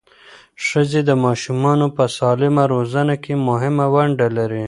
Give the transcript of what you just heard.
ښځې د ماشومانو په سالمه روزنه کې مهمه ونډه لري.